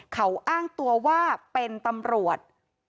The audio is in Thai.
เขาอ้างตัวว่าเป็นตำรวจ